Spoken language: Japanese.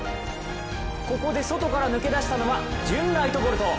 ここで外から抜け出したのはジュンライトボルト。